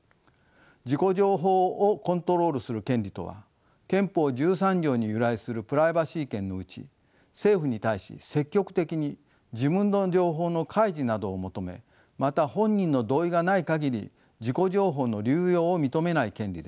自己情報をコントロールする権利とは憲法１３条に由来するプライバシー権のうち政府に対し積極的に自分の情報の開示などを求めまた本人の同意がない限り自己情報の流用を認めない権利です。